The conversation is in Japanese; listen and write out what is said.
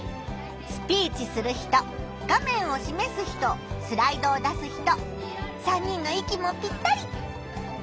スピーチする人画面をしめす人スライドを出す人３人の息もぴったり！